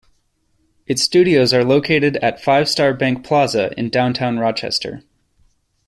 Its studios are located at Five Star Bank Plaza in downtown Rochester.